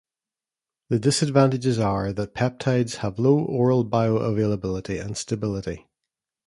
The disadvantages are that peptides have low oral bioavailability and stability.